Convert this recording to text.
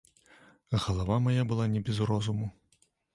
Галава мая была не без розуму.